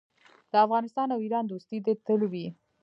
د افغانستان او ایران دوستي دې تل وي.